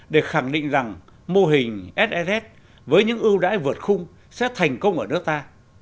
để khẳng định rằng mô hình ss với những ưu đãi vượt khung sẽ thành công ở nước ta